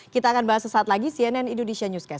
kita akan bahas sesaat lagi cnn indonesia newscast